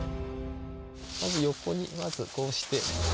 横にまずこうして。